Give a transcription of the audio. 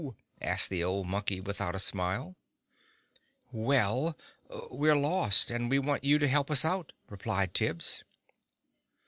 asked the old Monkey, without a smile. "Well, we're lost. And we want you to help us out!" replied Tibbs.